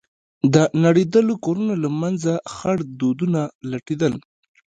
د نړېدلو کورونو له منځه خړ دودونه لټېدل.